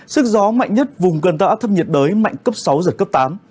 sức gió mạnh nhất vùng gần tâm áp thấp nhiệt đới mạnh cấp sáu giật cấp tám